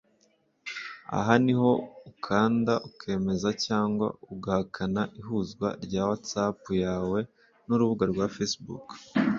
Aha niho ukanda ukemeza cyangwa ugahakana ihuzwa rya WhatsApp yawe n'urubuga rwa Facebook